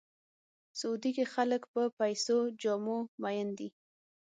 سعودي کې خلک په سپینو جامو مین دي.